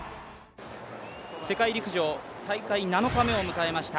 世界陸上大会７日目を迎えました。